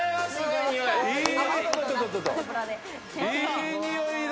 いいにおいだ。